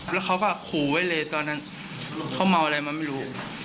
แล้วเขาก็ขู่ไว้เลยตอนนั้นเขาเมาอะไรมาไม่รู้